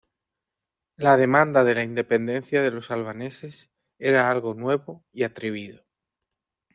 La demanda de la independencia de los albaneses era algo nuevo y atrevido.